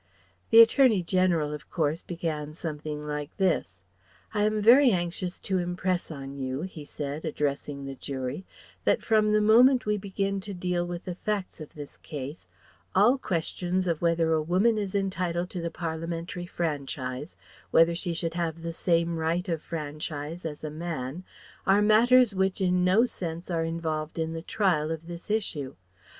The Attorney General of course began something like this. "I am very anxious to impress on you," he said, addressing the jury, "that from the moment we begin to deal with the facts of this case, all questions of whether a woman is entitled to the Parliamentary franchise, whether she should have the same right of franchise as a man are matters which in no sense are involved in the trial of this issue.